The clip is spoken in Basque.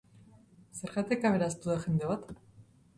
Zergatik aberastu da jende bat?